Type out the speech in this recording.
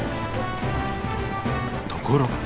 ところが。